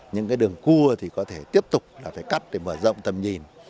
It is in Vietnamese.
những đường cua thì có thể tiếp tục cắt để mở rộng tầm nhìn